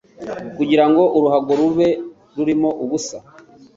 kugirango uruhago rube rurimo ubusa